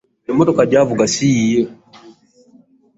Emmotoka gy'avuga si yiye.